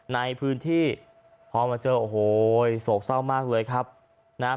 ในพื้นที่พอมาเจอโอ้โหโศกเศร้ามากเลยครับนะฮะ